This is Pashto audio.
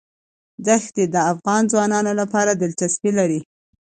دښتې د افغان ځوانانو لپاره دلچسپي لري.